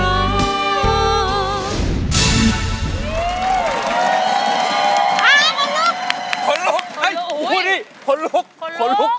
อ้าวคนลุกคนลุกโอ้โฮคนลุกคนลุก